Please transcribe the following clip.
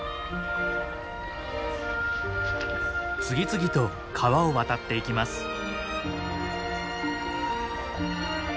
次々と川を渡っていきます。